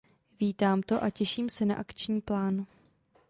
Vítám to a těším se na akční plán.